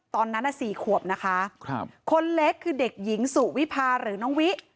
ตอนนั้น๔ขวบนะคะคนเล็กคือเด็กหญิงสุวิพาหรือน้องวิ